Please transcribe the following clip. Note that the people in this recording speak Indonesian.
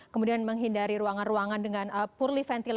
kemudian menghindari ruangan ruangan dengan purely ventilated